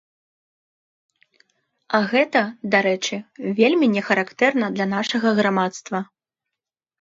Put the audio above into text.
А гэта, дарэчы, вельмі не характэрна для нашага грамадства.